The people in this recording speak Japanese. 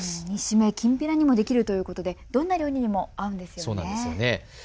煮しめ、きんぴらにもできるということでどんな料理にも合うんですよね。